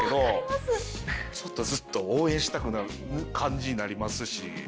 ちょっとずっと応援したくなる感じになりますし。